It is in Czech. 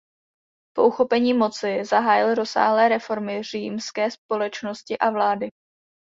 Po uchopení moci zahájil rozsáhlé reformy římské společnosti a vlády.